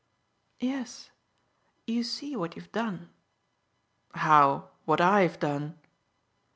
"Yes you see what you've done." "How, what I'VE done?"